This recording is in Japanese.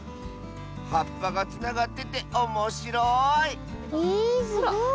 はっぱがつながってておもしろいえすごい。